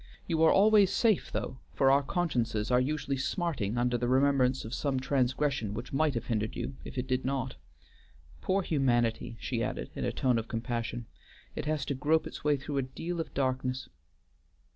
You are always safe though, for our consciences are usually smarting under the remembrance of some transgression which might have hindered you if it did not. Poor humanity," she added in a tone of compassion. "It has to grope its way through a deal of darkness."